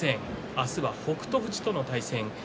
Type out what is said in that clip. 明日は北勝富士と対戦します。